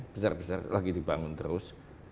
besar besar lagi dibangun terus